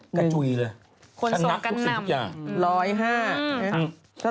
ฉรรพ์ทุกสิ่งทุกอย่าง